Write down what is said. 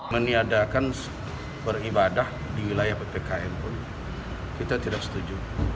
meniadakan beribadah di wilayah ppkm pun kita tidak setuju